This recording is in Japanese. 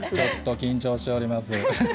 緊張しております。